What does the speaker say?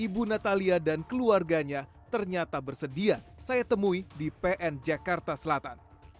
ibu natalia dan keluarganya ternyata bersedia saya temui di pn jakarta selatan